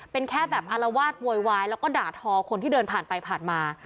เป็นแค่แบบอารวาสโวยวายแล้วก็ด่าทอคนที่เดินผ่านไปผ่านมา